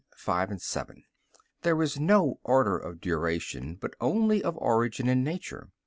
i, 5, 7), there is no order of duration, but only of origin and nature.